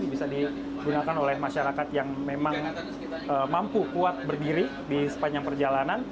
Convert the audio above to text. bisa digunakan oleh masyarakat yang memang mampu kuat berdiri di sepanjang perjalanan